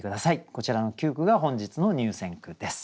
こちらの９句が本日の入選句です。